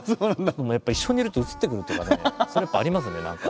一緒にいるとうつってくるというかねやっぱありますね何か。